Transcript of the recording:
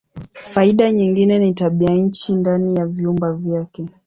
Faida nyingine ni tabianchi ndani ya vyumba vyake.